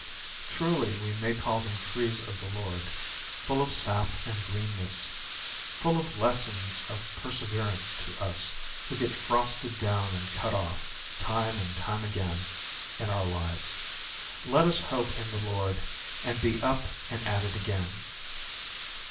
Truly we may call them trees of the Lord, full of sap and greenness ; full of lessons of perseverance to us who get frosted down and cut off, time and time again, in our lives. Let us hope in the Lord, and be up and at it again.